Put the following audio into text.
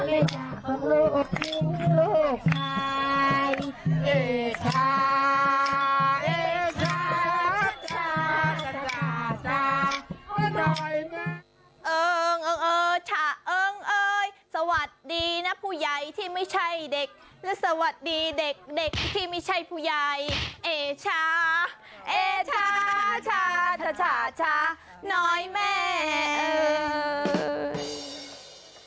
เอิงเอิงเออชาเอิงเอยสวัสดีนะผู้ใหญ่ที่ไม่ใช่เด็กและสวัสดีเด็กที่ไม่ใช่ผู้ใหญ่เอชาเอชาชาชาชาชาน้อยแม่เอิง